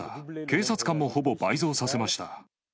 警察官もほぼ倍増させました。